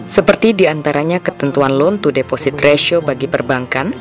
seperti diantaranya ketentuan loan to deposit ratio bagi perbankan